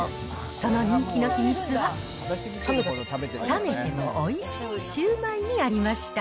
その人気の秘密は、冷めてもおいしいシウマイにありました。